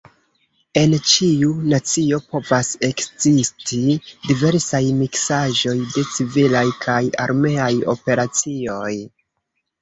En ĉiu nacio povas ekzisti diversaj miksaĵoj de civilaj kaj armeaj operacioj.